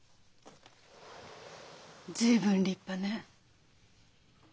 随分立派ね。